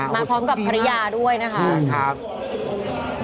มาพร้อมกับภรรยาด้วยนะคะอ๋อท่านทูตอาเจนติน่าครับ